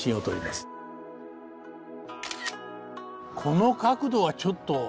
この角度はちょっと。